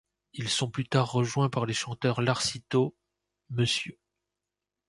Ils sont plus tard rejoints par les chanteurs Larsito, Mr.